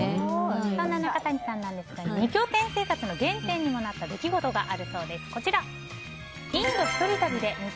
そんな中谷さんですが二拠点生活の原点にもなった出来事があるそうです。